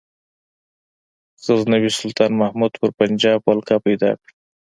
غزنوي سلطان محمود پر پنجاب ولکه پیدا کړه.